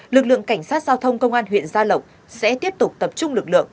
lực lượng cảnh sát giao thông công an huyện gia lộc sẽ tiếp tục tập trung lực lượng